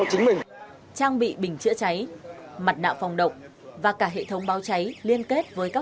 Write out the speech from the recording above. chứng mừng trang bị bình chữa cháy mặt nạ phòng động và cả hệ thống báo cháy liên kết với các